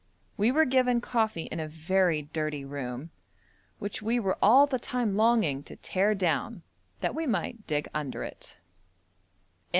We were given coffee in a very dirty room, which we were all the time longing to tear down that we might dig under it.